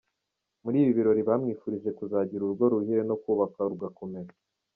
Muri ibi birori bamwifurije kuzagira urugo ruhire no kubaka rugakomera.